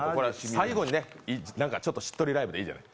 最後にしっとりライブでいいじゃない。